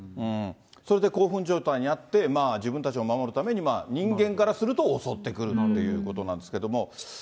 それで興奮状態にあって、自分たちを守るために人間からすると襲ってくるっていうことなんですけども。